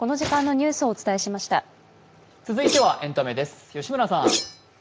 続いてはエンタメです吉村さん。